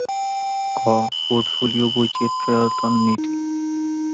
ক. পোর্টফোলিও বৈচিত্র্যায়ন নীতি